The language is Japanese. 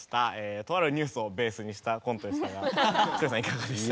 とあるニュースをベースにしたコントでしたがひとりさんいかがでした？